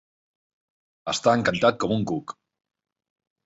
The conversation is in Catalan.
Estar encantat com un cuc.